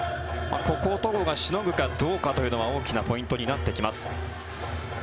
ここを戸郷がしのぐかどうかというのは大きなポイントになってきます。